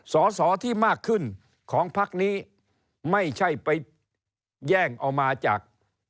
สอสอที่มากขึ้นของพักนี้ไม่ใช่ไปแย่งเอามาจาก